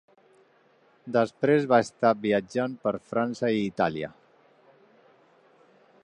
Després va estar viatjant per França i Itàlia.